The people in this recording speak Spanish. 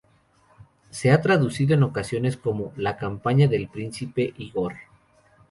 Se ha traducido en ocasiones como "La campaña del príncipe Ígor".